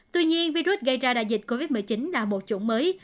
tuy nhiên virus gây ra đại dịch covid một mươi chín là một chủng mới